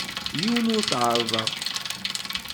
Yiwen ur t-ɛerrḍeɣ.